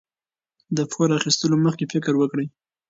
د پور اخیستلو مخکې فکر وکړئ.